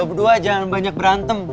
eh lo berdua jangan banyak berantem